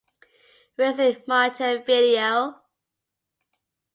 Racing Montevideo